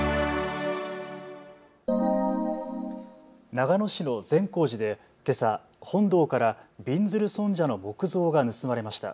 長野市の善光寺でけさ、本堂からびんずる尊者の木像が盗まれました。